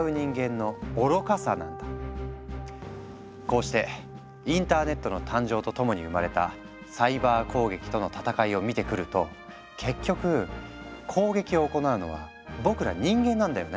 こうしてインターネットの誕生とともに生まれたサイバー攻撃との戦いを見てくると結局攻撃を行うのは僕ら人間なんだよね。